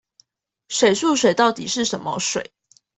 水素水到底是什麼水